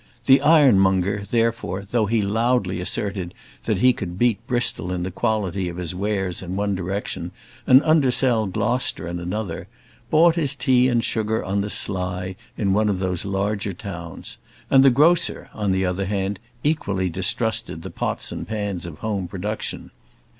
The ironmonger, therefore, though he loudly asserted that he could beat Bristol in the quality of his wares in one direction, and undersell Gloucester in another, bought his tea and sugar on the sly in one of those larger towns; and the grocer, on the other hand, equally distrusted the pots and pans of home production.